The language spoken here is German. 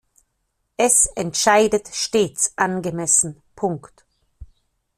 Es entscheidet stets angemessen, Punkt.